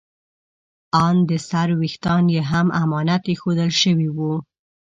ان د سر ویښتان یې هم امانت ایښودل شوي وو.